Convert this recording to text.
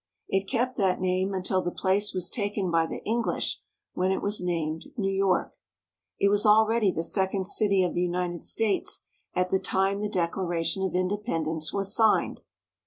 It kept that name until the place was taken by the English, when it was named New York. It was already the second city of the United States at the time the Declaration of Independence was signed.